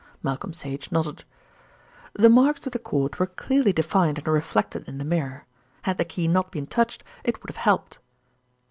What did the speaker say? Malcolm Sage nodded. "The marks of the cord were clearly defined and reflected in the mirror. Had the key not been touched, it would have helped."